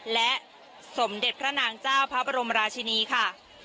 และสมเด็จพระนางเจ้าพระบรมราชินีค่ะ